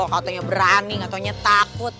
gatohnya berani gatohnya takut